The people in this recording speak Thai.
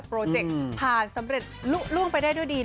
โปรเจคผ่านสำเร็จลุ้งไปได้ด้วยดี